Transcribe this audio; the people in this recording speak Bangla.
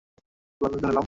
খুবই আনন্দিত হলাম।